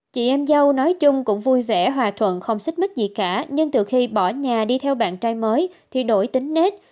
chị em dâu nói chung cũng vui vẻ hòa thuận không xích mít gì cả nhưng từ khi bỏ nhà đi theo bạn trai mới thì đổi tính net